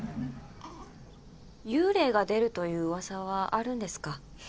幽霊が出るという噂はあるんですか？